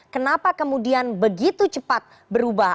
kenapa kemudian begitu cepat berubah